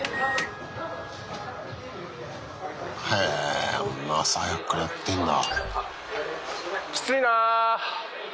へえ朝早くからやってんだ。